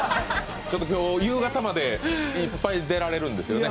今日、夕方までいっぱい出られるんですよね？